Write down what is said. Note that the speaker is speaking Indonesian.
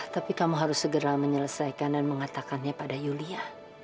tapi kamu harus segera menyelesaikan dan mengatakannya pada julia